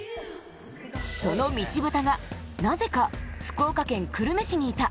その道端がなぜか福岡県久留米市にいた。